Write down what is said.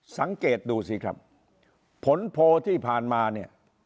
สังเกตดูสิครับผลโพลที่ผ่านมาเนี่ย